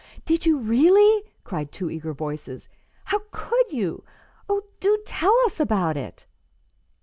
"Did you really?" cried two eager voices. "How could you? Oh, do tell us about it!"